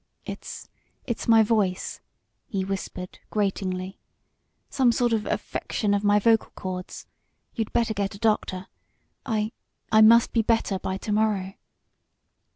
"It it's my voice," he whispered, gratingly. "Some sort of affection of my vocal chords. You'd better get a doctor. I I must be better by to morrow."